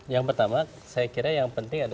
yang pertama saya kira yang penting adalah